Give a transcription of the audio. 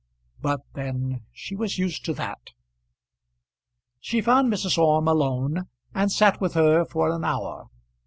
But then she was used to that. She found Mrs. Orme alone, and sat with her for an hour.